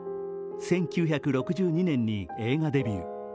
１９６２年に映画デビュー。